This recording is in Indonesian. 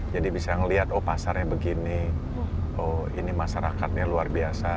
jadi bisa ngelihat oh pasarnya begini oh ini masyarakatnya luar biasa